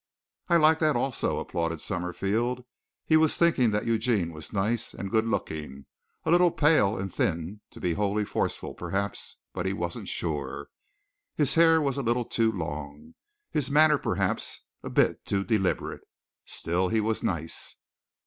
"I like that also," applauded Summerfield. He was thinking that Eugene was nice and good looking, a little pale and thin to be wholly forceful, perhaps, he wasn't sure. His hair a little too long. His manner, perhaps, a bit too deliberate. Still he was nice.